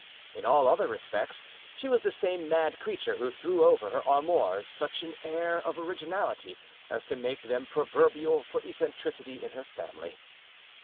In all other respects she was the same mad creature who threw over her amours such an air of originality as to make them proverbial for eccentricity in her family.